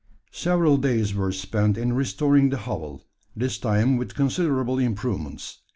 Several days were spent in restoring the hovel this time with considerable improvements.